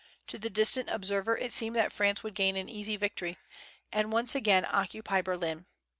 To the distant observer it seemed that France would gain an easy victory, and once again occupy Berlin.